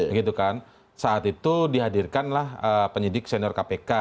begitu kan saat itu dihadirkanlah penyidik senior kpk